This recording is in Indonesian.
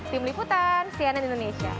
tim liputan cnn indonesia